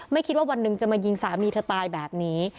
คิดว่าวันหนึ่งจะมายิงสามีเธอตายแบบนี้